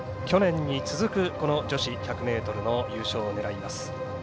去年に続く女子１００ｍ優勝を狙います。